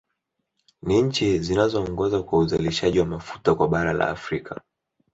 Ni nchi zinazoongoza kwa uzalishaji wa mafuta kwa bara la Afrika